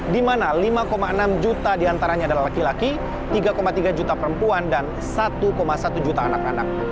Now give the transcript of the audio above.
di mana lima enam juta diantaranya adalah laki laki tiga tiga juta perempuan dan satu satu juta anak anak